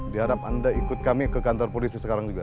diharap anda ikut kami ke kantor polisi sekarang juga